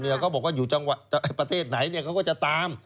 เขาบอกว่าอยู่ประเทศไหนเขาก็จะตาม